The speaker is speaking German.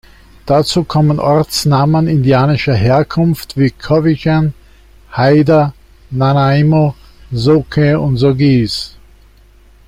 Dazu kommen Ortsnamen indianischer Herkunft wie Cowichan, Haida, Nanaimo, Sooke oder Songhees.